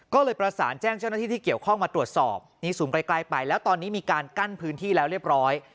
ก็เลยประสานแจ้งเจ้าหน้าที่ที่เกี่ยวข้องมาตรวจสอบนี่ซูมใกล้ไปแล้วตอนนี้มีการกั้นพื้นที่แล้วเรียบร้อย